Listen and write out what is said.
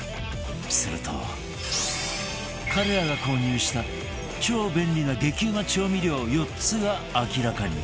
すると彼らが購入した超便利な激うま調味料４つが明らかに